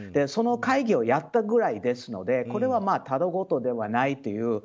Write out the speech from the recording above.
その会議をやったぐらいですのでこれはただ事ではないという。